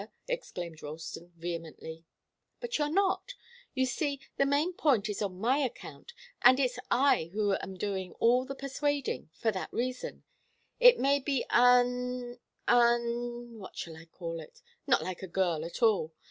exclaimed Ralston, vehemently. "But you're not. You see, the main point is on my account, and it's I who am doing all the persuading, for that reason. It may be un un what shall I call it not like a girl at all.